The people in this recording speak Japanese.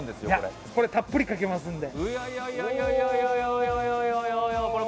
いや、これ、たっぷりかけますんで。